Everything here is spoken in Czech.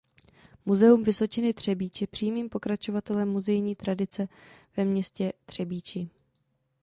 Muzeum Vysočiny Třebíč je přímým pokračovatelem muzejní tradice ve městě Třebíči.